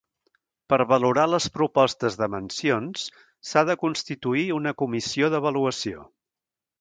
Per valorar les propostes de mencions, s'ha de constituir una Comissió d'Avaluació.